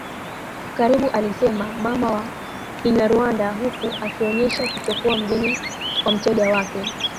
karibualisema mama wa Kinyarwanda huku akionesha kutokuwa mgeni kwa mteja wake